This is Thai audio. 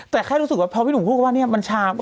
แต่แค่รู้สึกว่าเพราะว่ามันชา